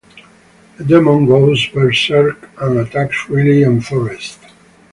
A demon goes berserk and attacks Riley and Forrest.